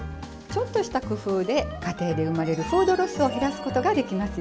ちょっとした工夫で家庭で生まれるフードロスを減らすことができますよ。